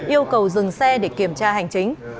yêu cầu dừng xe để kiểm tra hành chính